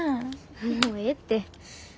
もうええって。